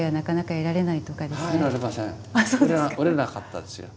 売れなかったですよ。